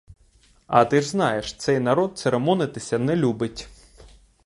А ти ж знаєш: цей народ церемонитися не любить.